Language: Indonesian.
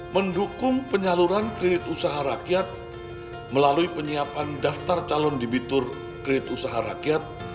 mendukung penyaluran kredit usaha rakyat melalui penyiapan daftar calon debitur kredit usaha rakyat